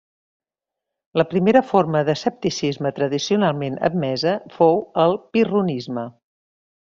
La primera forma d'escepticisme tradicionalment admesa fou el pirronisme.